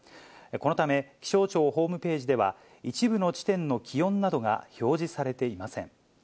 このため、気象庁ホームページでは、一部の地点の気温などが表示されていません。